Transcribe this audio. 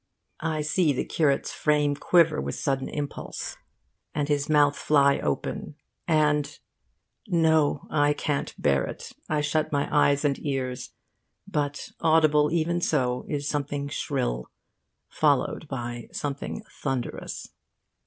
I see the curate's frame quiver with sudden impulse, and his mouth fly open, and no, I can't bear it, I shut my eyes and ears. But audible, even so, is something shrill, followed by something thunderous.